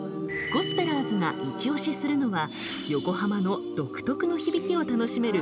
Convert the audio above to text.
ゴスペラーズがいちオシするのは横浜の独特の響きを楽しめる